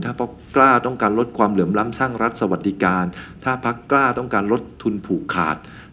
ถ้ากล้าต้องการลดความเหลื่อมล้ำสร้างรัฐสวัสดิการถ้าพักกล้าต้องการลดทุนผูกขาด